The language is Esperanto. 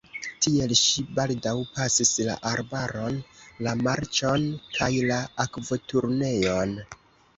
Tiel ŝi baldaŭ pasis la arbaron, la marĉon kaj la akvoturnejon.